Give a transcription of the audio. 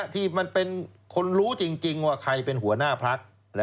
ที่มันเป็นคนรู้จริงว่าใครเป็นหัวหน้าพัก